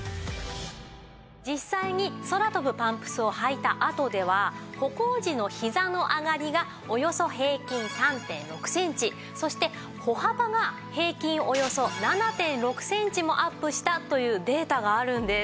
実際に空飛ぶパンプスを履いたあとでは歩行時のひざの上がりがおよそ平均３．６センチそして歩幅が平均およそ７．６センチもアップしたというデータがあるんです。